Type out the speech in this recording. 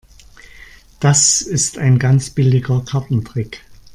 Das ist ein ganz billiger Kartentrick.